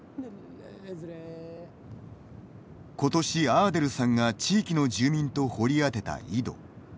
今年、アーデルさんが地域の住民と掘り当てた井戸。